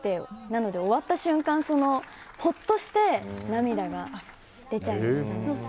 なので、終わった瞬間ほっとして涙が出ちゃいましたね。